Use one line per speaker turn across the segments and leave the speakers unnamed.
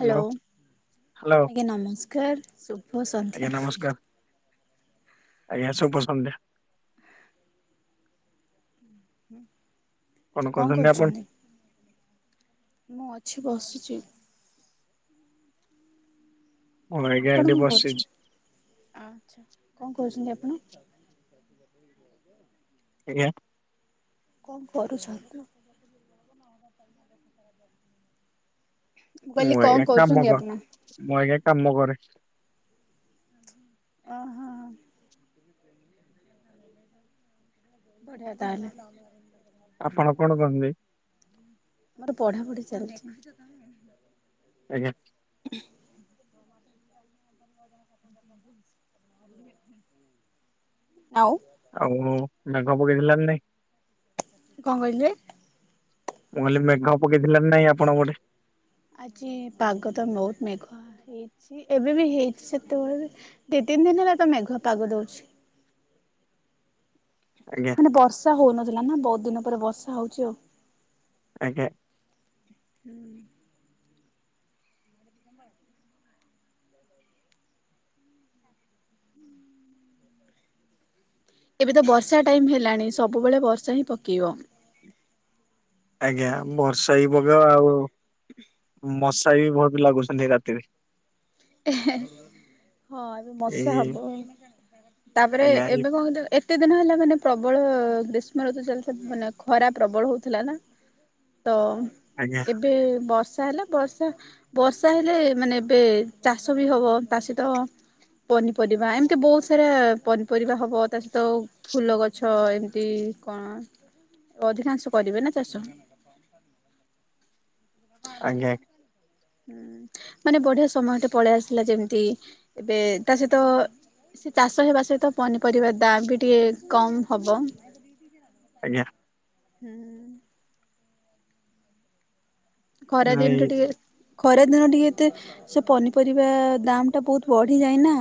Hello
hello
ଆଜ୍ଞା ନମସ୍କାର ସନ୍ଧ୍ୟା।
ଆଜ୍ଞା ନମସ୍କାର ଆଜ୍ଞା ସବପସନ୍ଧ୍ୟା
ହୁଁ
କଣ କହୁଛନ୍ତି ଆପଣ
ମୁଁ ଅଛି ବସିଛି
ମୁଁ ଆଜ୍ଞା
ଆପଣ
ଏଠି
କଣ କରୁଛନ୍ତି
ବସିଛି
ଆଛା କଣ କରୁଛନ୍ତି ଆପଣ
ଆଜିକ୍ଞା
କଣ କରୁଛ ଯ
ମୁଁ ଏା କାମ
କରୁଛନ୍ତି
କର
ଆପଣ?
ମୁଁା କାମ କରେ
ଓହୋ ବଢି ତାଲେ
ଆପଣ କଣ କହନ୍ତି?
ମୋର ପଢାପଢି ଚାଲିଚି।
ଆଜ୍ଞା [unintelligible]
ଆଉ
ଆଉ ବାଘ [unintelligible]
କଣ କହିଲେ?
ମୁଁ କହିଲି ମେଘ ପକେଇଥିଲା ନାଇଁ ଆପଣ [unintelligible]
ଆଜି ପାଗ ତ ବହୁତ ମେଘୁଆ ଅ ହେଇଛି ଏବେ ବି ହେଇଛି ସେତେବେଳେ ବି ଦି ତିନି ଦିନ ହେଲା ତ ମେଘ ପାଗୁଆ ଦେଉଚି।
ଆଜ୍ଞା
ମାନେ ବର୍ଷା ହଉନଥିଲା ନା ବହୁତ ଦିନ ପରେ ବର୍ଷା ହଉଛି।
ଆଜ୍ଞା
ହୁଁ ଏବେ ତ ବର୍ଷା ଟାଇମ ହେଲାଣି ସବୁବେଳେ ବର୍ଷା ହିଁ ପକେଇବ।
ଆଜ୍ଞା ବର୍ଷା ବି ପକେଇବ ଆଉ ମଶା ବି ବହୁତ ଲାଗୁଛନ୍ତି ରାତିରେ।
ହେଁ ହେଁ ବର୍ଷା
ଏଇ
ହେବ ଆଉ। ତାପରେ
ଆଜ୍ଞା ଏଇ
ଏବେ କଣ କେତେ ଦିନ ହେଲା ମାନେ ପ୍ରବଳ ଗ୍ରୀଷ୍ମ ଋତୁ ଚାଲି ମାନେ ଖରା ପ୍ରବଳ ହଉଥିଲା ନା। ତ
ଆଜ୍ଞା
ଏବେ ବର୍ଷା ହେଲା ବର୍ଷା ବର୍ଷା ହେଲେ ମାନେ ଏବେ ଚାଷ ବି ହବ ଚାଷୀ ତ ପନିପରିବା, ଏମିତି ବହୁତ ସାରା ପନିପରିବା ହବ ତା ସହିତ ଫୁଲ ଗଛ ଏମିତି କଣ ଅଧିକାଂଶ କରିବେ ନା ଚାଷ।
ଆଜ୍ଞା
ହୁଁ ମାନେ ବଢିଆ ସମୟରେ ପଳେଇ ଆସିଲା ଯେମିତି ଏବେ ତା ସହିତ ସେ ଚାଷ ହେବା ସହିତ ପନିପରିବା ଦାମ ବି ଟିକେ କମ ହବ।
ଆଜ୍ଞା।
ହୁଁ। ଖରା
ନାଇଁ
ଦିନରେ ଟିକେ ଖରା ଦିନ ଟିକେ ଏତେ ସେ ପନିପରିବା ଦାମ୍ ଟା ବହୁତ ବଢ଼ିଯାଏନା।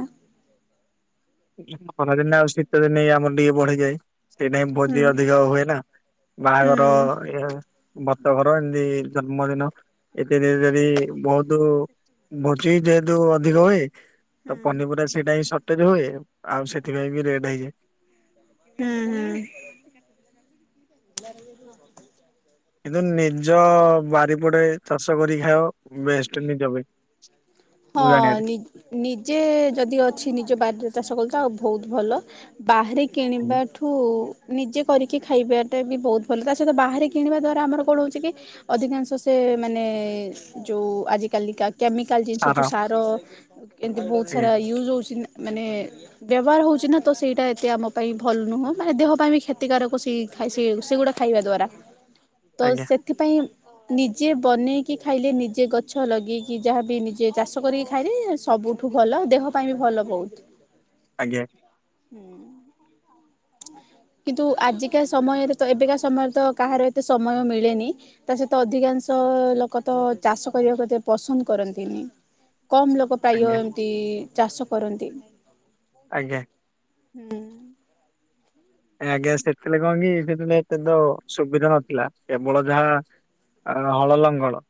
ଖରାଦିନେ ଆଉ ଶୀତ ଦିନେ ଆମର ଟିକେ ବଢିଯାଏ। ସେଇଟା ଭୋଜି
ହୁଁ
ଅଧିକ ହୁଏ ନା
ହୁଁ
ବାହାଘର ଇଏ ବ୍ରତଘର ଏମିତି ଜନ୍ମଦିନ ଏତେଦି ବହୁତ ଭୋଜି ଯେହେତୁ ଅଧିକ ହୁଏ
ହୁଁ
ତ ପନିପରିବା ସେଇଟା ହିଁ ସର୍ଟେଜ ହୁଏ। ଆଉ ସେଥିପାଇଁ ବି ରେଟ ହେଇଯାଏ।
ହୁଁ।
କିନ୍ତୁ ନିଜ ବାରିପଡେ ଚାଷ କରି ଖାଇବ ବେଷ୍ଟ ନିଜ ପାଇଁ। ମୁଁ
ହଁ
ଜାଣିବାରେ।
ନି ନିଜେ ଯଦି ଅଛି ନିଜ ବାରିରେ ଚାଷ କଲେ ତ ଆ ବହୁତ ଭଲ ବାହାରେ
ଆଜ୍ଞା
କିଣିବାଠୁ ଠୁ ନିଜେ କରିକି ଖାଇବାଟା ବି ବହୁତ ଭଲ ତା ସହିତ ବାହାରେ କିଣିବା ଦ୍ଵାରା ଆମର କଣ ହଉଛି ନା ଅଧିକାଂଶ ସେ ମାନେ ଯୋଉଁ ଆଜିକାଲିକା କେମିକାଲ ସେ ଯେଉଁ ସାର ଏମିତି ବହୁତ
ଆଜ୍ଞା
ସାରା ୟୁଜ୍ ହେଉଛି ମାନେ ବ୍ୟବହାର ହଉଛି ନା, ତ ସେଇଟା ଏତେ ଆମ ପାଇଁ ଭଲ ନୁହଁ ମାନେ ଦେହ ପାଇଁ ବି କ୍ଷତିକାରକ ସେଇ ଖାଇ ସେ ସେଗୁଡ଼ା ଖାଇବା ଦ୍ୱାରା। ତ
ଆଜ୍ଞା
ସେଥିପାଇଁ ନିଜେ ବନେଇକି ଖାଇଲେ ନିଜେ ଗଛ ଲଗେଇକି ଯାହାବି ନିଜେ ଯିଏ ଚାଷ କରିକି ଖାଇଲେ ସବୁଠୁ ଭଲ ଦେହ ପାଇଁ ବି ଭଲ ବହୁତ।
ଆଜ୍ଞା।
ହୁଁ। କିନ୍ତୁ ଆଜିକା ସମୟରେ ତ ଏବେକା ସମୟରେ ତ କାହାର ଏତେ ସମୟ ମିଳେନି ତା ସହିତ ଅଧିକାଂଶ ଲୋକ ତ ଚାଷ କରିବାକୁ ଏତେ ପସନ୍ଦ କରନ୍ତିନି। କମ ଲୋକ ପ୍ରାୟ
ଆଜ୍ଞା
ଏମତି ଚାଷ କରନ୍ତି
ଆଜ୍ଞା।
ହୁଁ।
ଆଜ୍ଞା ସେଥିଳେ କଣ କି ସେବେଳେ ଏତେ ତ ସୁବିଧା ନଥିଲା କେବଳ ଯାହା ଅ ହଳ ଲଙ୍ଗଳ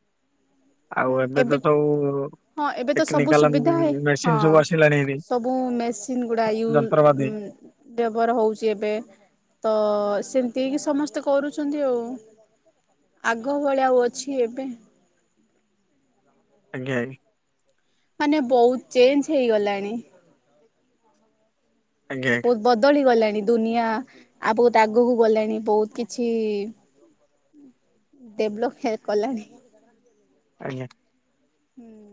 ଆଉ ଏବେ ତ ତଉ
ହଁ ଏବେ ତ ସବୁ ସୁବିଧା ହେ ହଁ
ଆସିଲାଣି ହେରି।
ସବୁ ମେସିନ ଗୁଡା ୟୁଉ
ଯନ୍ତ୍ରପାତି
ବ୍ୟବହାର ହଉଛି ଏବେ ତ ସେମିତି ହେ କିି ସମସ୍ତେ କରୁଛନ୍ତି ଆଉ। ଆଗ ଭଳିଆ ଆଉ ଅଛି ଏବେ।
ଆଜ୍ଞା।
ମାନେ ବହୁତ ଚେଞ୍ଜ ହେଇଗଲାଣି।
ଆଜ୍ଞା।
ବହୁତ ବଦଳି ଗଲାଣି ଦୁନିଆ ଆଉ ବହୁତ ଆଗକୁ ଗଲାଣି ବହୁତ କିଛି ଡେଭଲପ ହେ କଲାଣି।
ଆଜ୍ଞା।
ହୁଁ।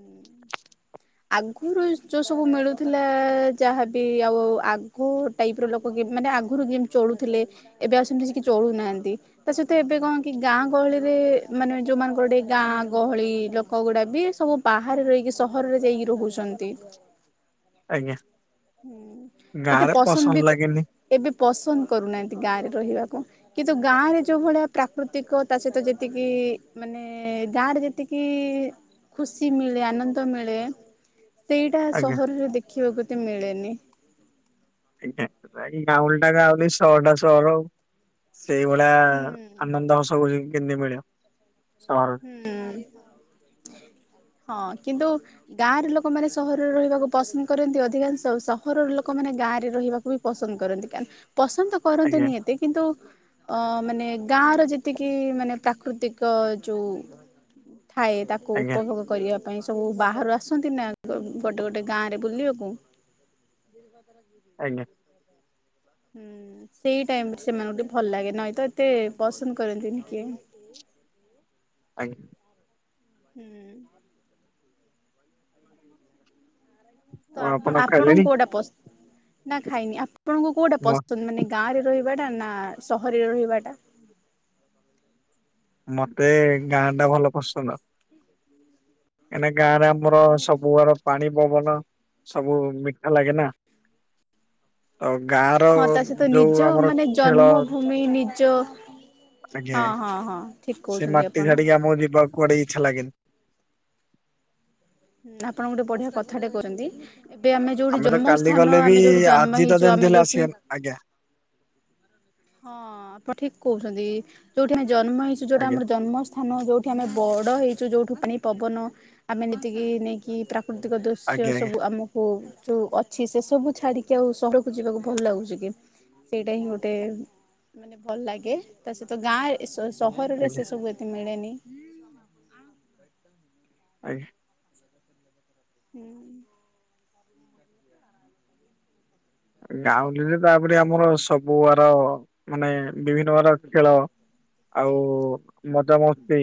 ଆଗରୁ ଯୋଉ ସବୁ ମିଳୁଥିଲା ଯାହାବି ଆଉ ଆଗ ଟାଇପ ର ଲୋକ ମାନେ ଆଗରୁ ଯେମ୍ ଚଳୁଥିଲେ ଏବେ ଆଉ ସେମିତି ସେ କିି ଚଳୁନାହାନ୍ତି। ତା ସହିତ ଏବେ କଣ କି ଗାଁ ଗହଳିରେ ମାନେ ଯୋଉମାନଙ୍କର ଗାଁ ଗହଳି ଲୋକ ଗୁଡା ବି ସବୁ ବାହାରେ ରହିକି ସହରରେ ଯାଇକି ରହୁଛନ୍ତି।
ଆଜ୍ଞା।
ହୁଁ ଏତେ
ଗାଁରେ
ପସନ୍ଦ ବି
ଲାଗେନି
ଏବେ ପସନ୍ଦ କରୁନାହାନ୍ତି ଗାଁରେ ରହିବାକୁ। କିନ୍ତୁ ଗାଁ ରେ ଯୋଉ ଭଳିଆ ପ୍ରାକୃତିକ ତା ସହିତ ଯେତିକି ମାନେ ଗାଁରେ ଯେତିକି ଖୁସି ମିଳେ ଆନନ୍ଦ ମିଳେ। ସେଇଟା
ଆଜ୍ଞା
ସହରରେ ଦେଖିବାକୁ ଏତେ ମିଳେନି।
ଆଜ୍ଞା ଗାଉଲି ଟା ଗାାଉଲି ଶଟା ଶର। ସେଇଭଳିଆ
ହୁଁ
ଆନନ୍ଦ ହସୁଛି କେମତି ମିଳିବ ସହର। [inaudible]
ହଁ କିନ୍ତୁ ଗାଁରେ ଲୋକମାନେ ସହରରେ ରହିବାକୁ ପସନ୍ଦ କରନ୍ତି ଅଧିକାଂଶ ସହରର ଲୋକମାନେ ଗାଁ ରେ ରହିବାକୁ ବି ପସନ୍ଦ କରନ୍ତି କା ପସନ୍ଦ
ଆଜ୍ଞା
କରନ୍ତିନି ଏତେ କିନ୍ତୁ ଅ ମାନେ ଗାଁ ର ଯେତିକି ମାନେ ପ୍ରାକୃତିକ ଯୋଉ ଥାଏ ତାକୁ
ଆଜ୍ଞା
ଉପଭୋଗ କରିବା ପାଇଁ ସବୁ ବାହାରୁ ଆସନ୍ତି ନା ଗୋଟେ ଗୋଟେ ଗାଁରେ ବୁଲିବାକୁ
ଆଜ୍ଞା।
ହୁଁ ସେଇ ଟାଇମ ସେମାନଙ୍କୁ ଟିକେ ଭଲ ଲାଗେ ନାଇ ତ ଏତେ ପସନ୍ଦ କରନ୍ତିନି କିଏ।
ଆଜ୍ଞା।
ହୁଁ। ତ
ଆଉ
ଆପଣ ଆପଣଙ୍କୁ
ଖାଇଲେଣି?
କୋଉଟା ପସନ୍ଦ ନା ଖାଇନି ଆପଣଙ୍କୁ କୋଉଟା
ମ
ପସନ୍ଦ ମାନେ- ଗାଁରେ ରହିବାଟା ନା ସହରରେ ରହିବାଟା।
ମତେ ଗାଁ ଟା ଭଲ ପସନ୍ଦ। କାହିଁକିନା ଗାଁରେ
ଆଚ୍ଛା
ଆମର
ବଢିଆ
ସବୁ ଆର ପାଣି ପବନ ସବୁ ମିଠା ଲାଗେ ନା। ଆଉ ଗାଁ ର
ହଁ ତା ସହିତ
ଯୋଉ
ନିଜ
ଆମର
ମାନେ
ଖେଳ।
ଜନ୍ମଭୂମି ନିଜ
ଆଜ୍ଞା
ହଁ ହଁ ହଁ ଠିକ
ସେ
କହୁଛନ୍ତି
ମାଟି
ଆପଣ
ଝାଡିକି ଆମକୁ ଯିବାକୁ କୁଡେ ଇଚ୍ଛା ଲାଗେନି।
ଉଁ ଆପଣ ଗୋଟେ ବଢିଆ କଥାଟେ କଉଚନ୍ତି। ଏବେ ଆମେ ଯୋଉଠି
ତ
ଜନ୍ମ
କାଲି
ସ୍ଥାନ
ଗଲେ ବି
ଆମେ ଯୋଉଠି ଜନ୍ମ
ଆଜି ତ
ହେଇଛୁ
ଯେମିତି
ଆମେ
ହେଲେ ଆସିବା
ଯୋଉଠି
ଆଜ୍ଞା
ହଁ ଆପଣ ଠିକ କହୁଛନ୍ତି ଯୋଉଠି ଆମେ ଜନ୍ମ ହେଇଛୁ ଯୋଉଟା
ଆଜ୍ଞା
ଆମର ଜନ୍ମ ସ୍ଥାନ ଯୋଉଠି ଆମେ ବଡ ହେଇଛୁ ଯୋଉଠୁ ପାଣି ପବନ ଆମେ ଏତିକି ନେଇକି ପ୍ରାକୃତିକ ଦ ସେ
ଆଜ୍ଞା
ସବୁ
ଆଜ୍ଞା
ଆମକୁ ଯୋଉ ଅଛି ସେ ସବୁ ଛାଡିକି ଆଉ ସହରକୁ ଯିବାକୁ ଭଲ ଲାଗୁଛି କି। ସେଇଟା ହିଁ ଗୋଟେ ମାନେ ଭଲ ଲାଗେ ତା ସହିତ ଗାଁ ସହରରେ
ଆଜ୍ଞା
ସେ ସବୁ ଏତେ ମିଳେନି
ଆଜ୍ଞା
ହୁଁ
ଗାଉଁଲିରେ ତାପରେ ଆମର ସବୁ ଆର ମାନେ ବିଭିନ୍ନ ବାର ଖେଳ ଆଉ ମଜା ମସ୍ତି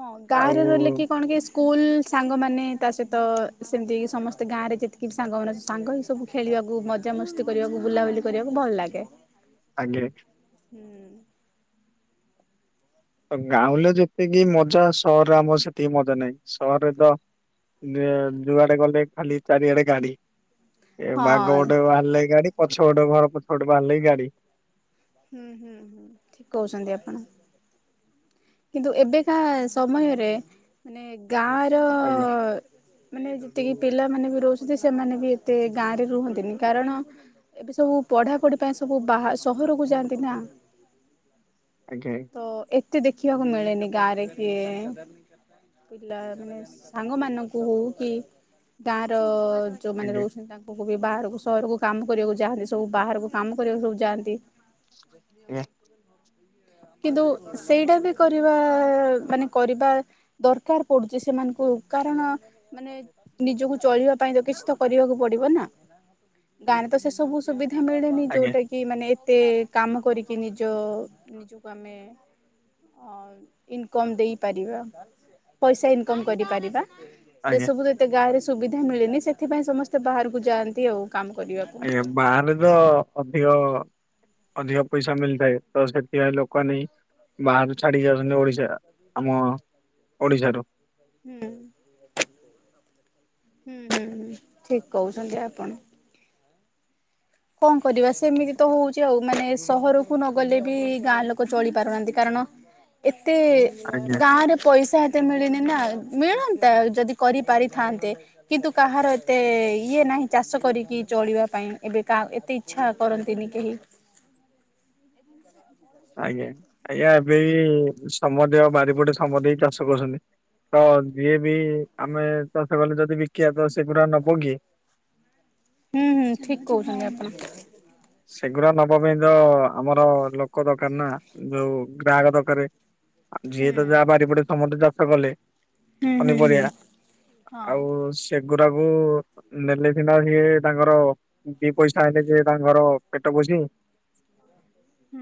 ହଁ ଗାଁରେ ରହିଲେ କି କଣ କି ସ୍କୁଲ ସାଙ୍ଗମାନେ ତା ସହିତ ସେମିତି ସମସ୍ତେ ଗାଁରେ ଯେତିକି ବି ସାଙ୍ଗମାନୋନ ସାଙ୍ଗ ଏ ସବୁ ଖେଳିବାକୁ ମଜାମସ୍ତି କରିବାକୁ ବୁଲାବୁଲି କରିବାକୁ ଭଲ ଲାଗେ
ଆଜଞେ ଗାଁରେ ଯେତିକି ମଜା ସହରରେ ଆମର ସେତିକି ମଜା ନାହିଁ ସହରରେ ତ ଯୁଆଡେ ଗଲେ ଖାଲି ଚାରିଆଡେ ଗାଡି ଏ ବାଘ
ହଁ
ଗୋଟେ ବାହାରିଲେ ଗାଡି ପଛ ଗୋଟେ ଘର ପଛ ଗଟେ ବାହାରିଲେ ଗାଡି
ହୁଁ ହୁଁ ହୁଁ ଠିକ କହୁଛନ୍ତି ଆପଣ କିନ୍ତୁ ଏବେକା ସମୟରେ ମାନେ ଗାଁ ର
ଆଜ୍ଞା
ମାନେ ଯେତିକି ପିଲାମାନୋନ ବି ରହୁଛନ୍ତି ସେମାନେ ବି ଏତେ ଗାଁରେ ରୁହନ୍ତିନି କାରଣ ଏବେ ସବୁ ପଢାପଢି ପାଇଁ ସବୁ ବା ସହରକୁ ଯାଆନ୍ତି ନା
ଆଜ୍ଞା
ତ ଏତେ ଦେଖିବାକୁ ମିଳେନି ଗାଁରେ କିଏ। ପିଲା ମାନେ ସାଙ୍ଗ ମାନଙ୍କୁ ହଉ କି ଗାଁ ର। ଯେଉଁମାନେ
ଆଜ୍ଞା
ରହୁଛନ୍ତି ତାଙ୍କୁ ବି ବାହାରକୁ ସହରକୁ କାମ କରିବାକୁ ଯାଆନ୍ତି ସବୁ ବାହାରକୁ କାମ କରିବାକୁ ସବୁ ଯାଆନ୍ତି।
ଫ
କିନ୍ତୁ ସେଇଟା ବି କରିବା ମାନେ କରିବା। ଦରକାର ପଡୁଛି ସେମାନଙ୍କୁ କାରଣ ମାନେ ନିଜକୁ ଚଳିବା ପାଇଁ ତ କିଛି ତ କରିବାକୁ ପଡିବ ନା ଗାଁରେ ତ ସେ ସବୁ। ସୁବିଧା ମିଳେନି
ଆଜ୍ଞା
ଯୋଉଟା କି ମାନେ ଏତେ କାମ କରିକି ନିଜ ନି। କମେ ଅ ଇନକମ ଦେଇପାରିବା ପଇସା ଇନକମ କରିପାରିବା। ସେ
ଆଜ୍ଞା
ସବୁ ଏତେ ଗାଁରେ ସୁବିଧା ମିଳେନି ସେଥିପାଇଁ ସମସ୍ତେ ବାହାରକୁ ଯାଆନ୍ତି ଆଉ କାମ କରିବା ପାଇଁ।
ଆଜ୍ଞା ବାହାରେ ତ ଅଧିକ। ଅଧିକ ପଇସା ମିଳିଥାଏ ତ ସେଥିପାଇଁ ଲୋକ ନେଇ ବାହ ଛାଡି ଯାଉଛନ୍ତି ଓଡିଶା ଆମ ଓଡିଶାରୁ।
ହୁଁ ହୁଁ ହୁଁ ହୁ ଠିକ କହୁଛନ୍ତି ଆପଣ। କଣ କରିବା ସେମିତି ତ ହଉଛି ଆଉ ମାନେ ସହରକୁ ନ ଗଲେ ବି ଗାଁ ଲୋକ ଚଳି ପାରୁନାହାନ୍ତି କାରଣ ଏତେ
ଆଜ୍ଞା।
ଗାଁ ରେ ପଇସା ଏତେ ମିଳିନି ନା ମିଳନ୍ତା ଆଉ ଯଦି କରିପାରିଥାନ୍ତେ କିନ୍ତୁ କାହାର ଏତେ ଇଏ ନାହିଁ ଚାଷ କରିକି ଚଳିବା ପାଇଁ ଏବେ ଏତେ ଇଚଛା କରନ୍ତିନି କେହି।
ଆଜ୍ଞା ଆଜ୍ଞା ଏବେ ସମ ଦେ ବାରିପଟେ ସମ ଦେଇକି ଚାଷ କରୁଛନ୍ତି। ତ ଯିଏ ବି ଆମେ ଚାଷ କଲେ ଯଦି ବିକିବା ତ ସେଗୁରା ନ ପୋଗି।
ହୁଁ ହୁଁ ଠିକ କହୁଛନ୍ତି ଆପଣ।
ସେଗୁଡା ନବବିଧ ଆମର ଲୋକ ଦୋକାନ ନା। ଯୋଉ ଗ୍ରାହକ ଦରକାର
ହୁଁ
ଯିଏ ତ ଯାହା ବାରିପଟେ ସମସ୍ତେ ଚାଷ କଲେ।
ହୁଁ ହୁଁ
ପନିପରଆ
ହଁ
ଆଉ େଗଡାକୁ ନେଲେ ସନା ସିଏ ତାଙ୍କର ଦି ପଇସା ହେଇଲେ ସି ତାଙ୍କ ଘର ପେଟ ବୋଝ
ହୁଁ।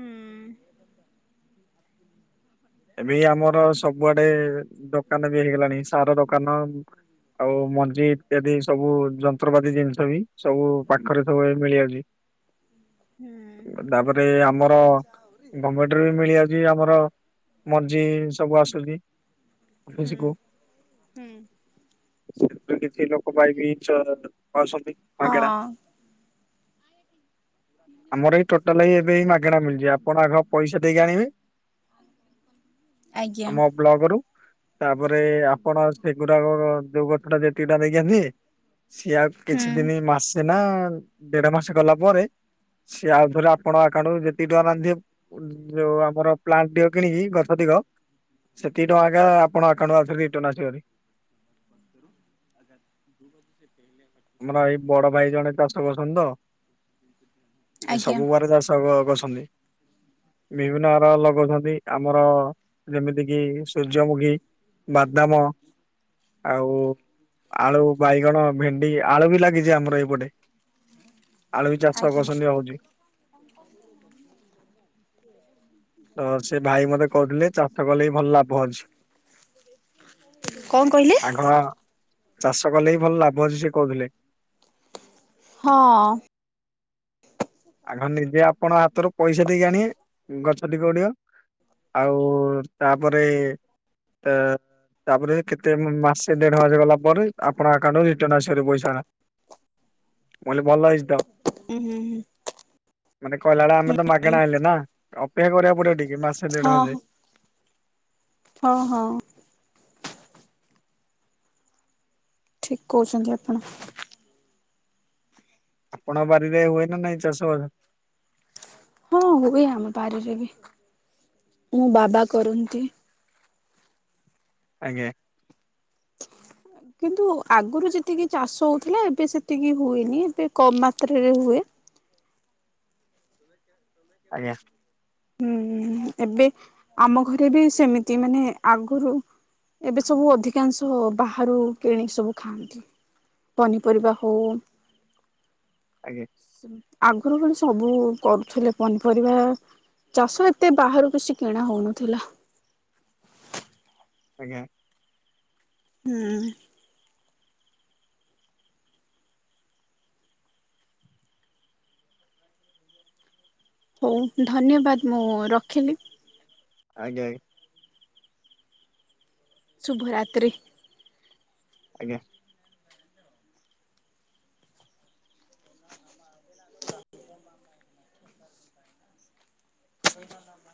ଏବେ ଆମର ସବୁଆଡେ ଦୋକାନ ବି ହେଇଗଲାଣି ସାର ଦୋକାନ। ଆଉ ମଞ୍ଜି ଇତ୍ୟାଦି ସବୁ ଯନ୍ତ୍ରପାତି ଜିନିଷ ବି ସବୁ ପାଖରେ ସବୁ ମିଳି ଯାଉଛି।
ହୁଁ
ତାପରେ ଆମର ଗଙ୍ଗଟରେ ବି ମିଳିଯାଉଛି ଆମର ମଞ୍ଜି ସବୁ ଆସୁଛି
ହୁଁ
ଅଫିସ କୁ।
ହୁଁ
ସେ କିଛି ଲୋକ ପାଇଁ ବି ପାଉଛନ୍ତି ମାଗେଡା
ହଁ
ଆମର ଏଇ ଟୋଟାଲ ଏ ମାଗଣା ମିଳିଯଛି ଆପଣ ଆଗ ପଇସା ଦେଇକି ଆଣିବେ।
ଆଜ୍ଞା
ଆମେ ବ୍ଲକ ରୁ ତାପରେ ଆପଣ ସେଗୁଡାକ ଯୋଉ ଗଛ ଟା ଯେତିଟା ନେଇିଛନ୍ତି। ସିଆ କିଛି
ହୁଁ
ଦିନ ମାରଛେ ନା। ଦେଢ ମାସ ଗଲା ପରେ ସିଏ ଆଉ ଥରେ ଆପଣଙ୍କ ଆକାଉଣ୍ଟରୁୁ ଯେତିକି ଟଙ୍କା ନାନ୍ଧଥିବ। ଯୋଉ ଆମର ପ୍ଲାଣ୍ଟ ଦ କିଣିକି ଗଛ ଦଗ ସେତିକ ଟଙ୍କା ଆପଣ ଆକାଉଣ୍ଟ ରିଟର୍ଣ ଆସିବି,
ଆଗ ଦୁ ବଜ ସେ ପ
ଆମର ଏଇ ବଡ ଭାଇ ଜଣେ ଚାଷ କରୁଛନ୍ତି ତ। ଏ
ଆଜ୍ଞା
ସବୁ ପରେରେ ଚାଷ କରଛନ୍ତି। ବିଭିନ୍ନ ଆର ଲଗାଉଛନ୍ତି ଆମର ଯେମିତି କିି ସୂର୍ଯ୍ୟମୁଖୀ। ବାଦାମ ଆଉ ଆଳୁ ବାଇଗଣ ଭେଡି। ଆଳୁ ବି ଲାଗିଛି ଆମର ଏଇପଟେ ଆଳୁ ବି
ଆଜ୍ଞା
ଚାଷକର୍ଷଣୀୟ ହଉଛି।
[inaudible]
ତ ସେ ଭାଇ ମତେ କହୁଥିଲେ ଚାଷ କଲେ ବିି ଭଲ ଲାଭ ଅଉଛି।
କଣ କହିଲେ
ଆଘର ଚାଷ କଲେ ବିି ଭଲ ଲାଭ ଅଛି ସେ କହୁଥିଲେ।
ହଁ।
ଆଗ ନିଜେ ଆପଣ ହାତରୁ ପଇସା ଦେଇକି ଆଣିବେ ଗଛ ଟିକଡିବ। ଆଉ ତାପରେ ତାପରେ କେତେ ମାସେ ଦେଢ ହ ଗଲା ପରେ ଆପଣଉଣ୍ଟ ରଟର୍ଣ ଆସିବ ପଇସା ଟା କଲେ ଭଲ ହେଇଛି ତ
ଉୁଁ ହୁଁ ହୁଁ
ମାନେ କହିଲ ବେଳେ ଆମେ ତ ମାଗେଣା ହେଣଲେ ନା ଅପେକ୍ଷା କରିବାକୁ ପଡିବ ଟିକେ ମାସେ ଦେଢ
ହଁ
ହଜେ
ହଁ ହଁ ହଁ ଠିକ କହୁଛନ୍ତି ଆପଣ
ଆପଣଙ୍କ ବାରିରେ ହୁଏ ନା ନାଇଁ ଚାଷ
ହଁ ହୁଏ ଆମ ପାାରିରେ ବି ମୁଁ ବାବା କରନ୍ତି
ଆ୍ଞ
କିନ୍ତୁ ଆଗରୁ ଯେତିକି ଚାଷ ହଉଥିଲା ଏବେ ସେତିକି ହୁଏନି ଏବେ କମ ମାତ୍ରରେ ହୁଏ
ଆଜ୍ଞା
ହୁଁ ଏବେ ଆମ ଘରେ ବି ସେମିତି ମାନେ ଆଗରୁ ଏବେ ସବୁ ଅଧିକାଂଶ ବାହାରୁ କିଣି ସବୁ ଖାଆନ୍ତି ପନିପରିବା ହଉ
ଆଜ୍ଞା
ଆଗରୁ ଭଳେ ସବୁ କରୁଥିଲେ ପନିପରିବା ଚାଷ ଏତେ ବାହାରୁ କିଛି କିଣା ହଉନଥିଲା
ଆଜ୍ଞା
ହୁଁ ହଉ ଧନ୍ୟବାଦ ମୁଁ ରଖିଲି
ଆଜ୍ଞା
ଶୁଭ ରାତ୍ରି
ଆଜ୍ଞା